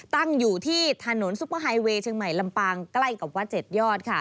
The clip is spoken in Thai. ตั้งอยู่ที่ถนนซุปเปอร์ไฮเวย์เชียงใหม่ลำปางใกล้กับวัด๗ยอดค่ะ